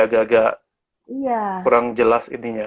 agak agak kurang jelas intinya